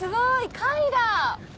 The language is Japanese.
貝だ。